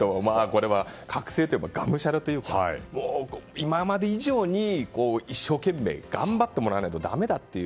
これは、覚醒というかがむしゃらというか今まで以上に一生懸命頑張ってもらわないとだめだと。